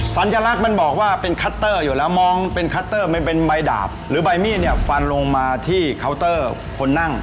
สัญลักษณ์มันบอกว่าเป็นคัตเตอร์อยู่แล้วมองเป็นคัตเตอร์มันเป็นใบดาบหรือใบมีดเนี่ยฟันลงมาที่เคาน์เตอร์คนนั่ง